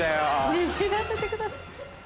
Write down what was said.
「握らせてください」。